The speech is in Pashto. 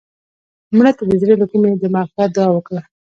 مړه ته د زړه له کومې د مغفرت دعا وکړه